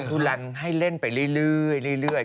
ก็ตัดทุนรันให้เล่นไปเรื่อย